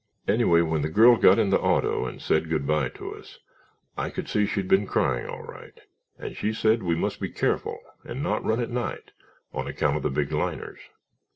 "Anyway, when the girl got in the auto and said good bye to us I could see she'd been crying all right, and she said we must be careful and not run at night on account of the big liners."